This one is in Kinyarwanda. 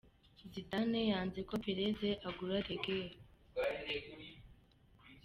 Zidane yanze ko Perez agura De Gea .